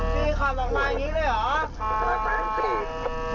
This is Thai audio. มีขับออกมาอย่างนี้เลยเหรอ